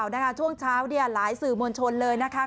การแถลงข่าวช่วงเช้าหลายสื่อมวลชนเลยนะคะ